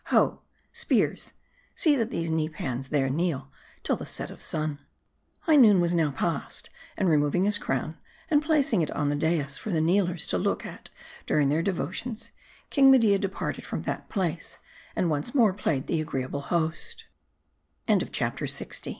Ho ! spears ! see that these knee pans here kneel till set of sun." High noon was now passed ; and removing his crown, and placing it on the dais for the kneelers to look at during their devotions, King Media departed from that place, and once more played t